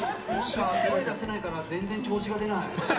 声出せないから全然調子が出ない。